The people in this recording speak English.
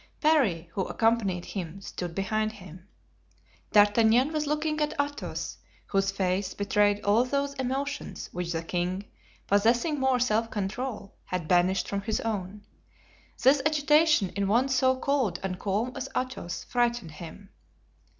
Parry, who accompanied him, stood behind him. D'Artagnan was looking at Athos, whose face betrayed all those emotions which the king, possessing more self control, had banished from his own. This agitation in one so cold and calm as Athos, frightened him.